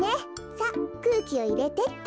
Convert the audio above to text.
さっくうきをいれてっと。